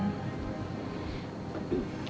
udah mau berbagi dan